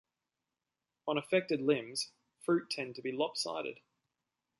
On affected limbs, fruit tend to be lopsided.